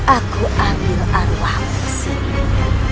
aku ambil arwahmu kesini